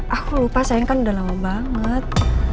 aku lupa sayang kan udah lama banget